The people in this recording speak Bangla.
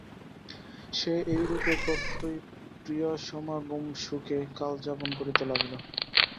সে এই রূপে প্রত্যই প্রিয়সমাগমসুখে কালযাপন করিতে লাগিল।